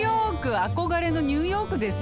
憧れのニューヨークですよ。